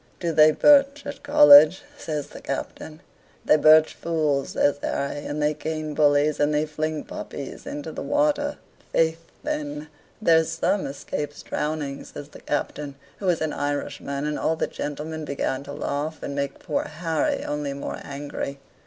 "Do they birch at College?" says the Captain. "They birch fools," says Harry, "and they cane bullies, and they fling puppies into the water." "Faith, then, there's some escapes drowning," says the Captain, who was an Irishman; and all the gentlemen began to laugh, and made poor Harry only more angry.